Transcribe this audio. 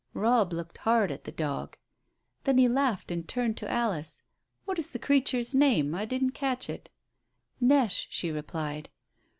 Robb looked hard at the dog. Then he laughed and turned to Alice. "What is the creature's name? I didn't catch it." "Neche," she replied.